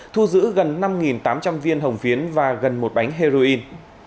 thu giữ gần năm tám trăm linh viên hồng phiến và gần một bánh heroin